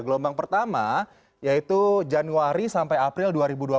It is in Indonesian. gelombang pertama yaitu januari sampai april dua ribu dua puluh